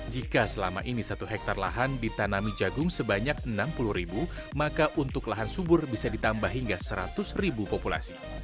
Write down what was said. jika selama ini satu hektare lahan ditanami jagung sebanyak enam puluh ribu maka untuk lahan subur bisa ditambah hingga seratus ribu populasi